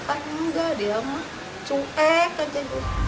kan enggak dia mau cupek aja